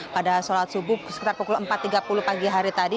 pada sholat subuh sekitar pukul empat tiga puluh pagi hari tadi